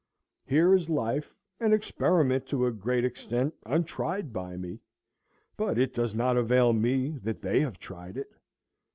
Here is life, an experiment to a great extent untried by me; but it does not avail me that they have tried it.